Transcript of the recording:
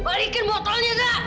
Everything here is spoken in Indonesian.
balikin botolnya kak